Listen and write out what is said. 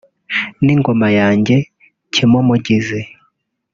n’ingoma yanjye Cyimumugizi